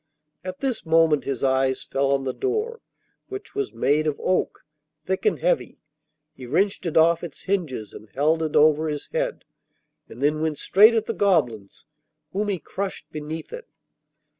At this moment his eyes fell on the door, which was made of oak, thick and heavy. He wrenched it off its hinges and held it over his head, and then went straight at the goblins, whom he crushed beneath it.